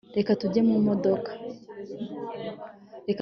reka tujye mumodoka